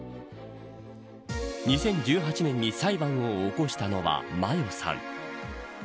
２０１８年に裁判を起こしたのは麻世さん。